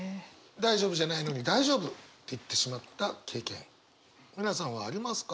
大丈夫じゃないのに大丈夫って言ってしまった経験皆さんはありますか？